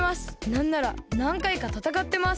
なんならなんかいかたたかってます。